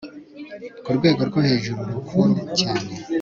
ku rwego rwo hejuru ruku cyane